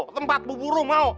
tempat bubur lo mau